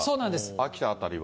秋田辺りは。